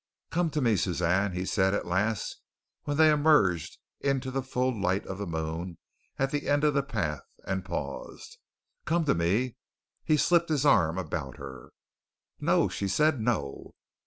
"Come to me, Suzanne," he said at last when they emerged into the full light of the moon at the end of the path and paused. "Come to me." He slipped his arm about her. "No," she said. "No."